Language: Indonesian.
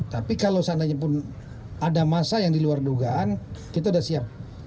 tapi kalau seandainya pun ada masa yang diluar dugaan kita sudah siap